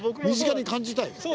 身近に感じたい。